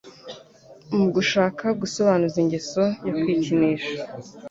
Mu gushaka gusobanuza n'ingeso yo kwikinisha ,